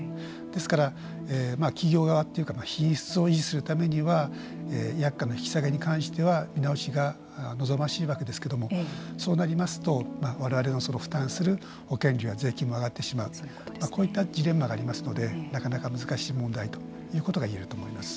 ですから、企業側というか品質を維持するためには薬価の引き下げに関しては見直しが望ましいわけですけれどもそうなりますとわれわれが負担する保険料が税金も上がってしまうこういったジレンマがありますのでなかなか難しい問題ということが言えると思います。